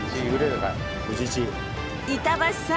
板橋さん